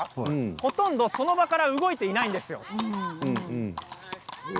ほとんどその場から動いていないんですよ。